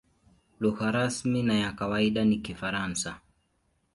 Lugha rasmi na ya kawaida ni Kifaransa.